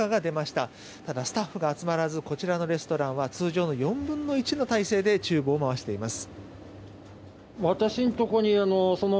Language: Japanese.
ただ、スタッフが集まらずこちらのレストランは通常の４分の１の体制で厨房を回しています。